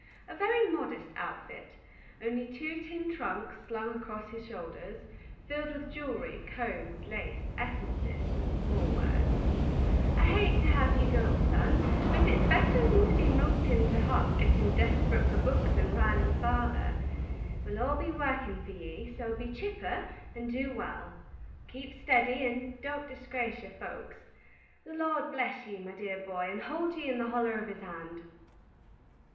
A very modest outfit, only two tin trunks slung across the shoulders, filled with jewelry, combs, lace, essences, and small wares. "I hate to have ye go, son, but it's better than to be mopin' to hum, gettin' desperut for books and rilin' father. We'll all be workin' for ye, so be chipper and do wal. Keep steddy, and don't disgrace your folks. The Lord bless ye, my dear boy, and hold ye in the holler of his hand!"